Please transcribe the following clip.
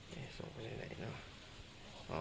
เดี๋ยวสักครู่นะครับ